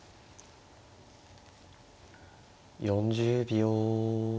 ４０秒。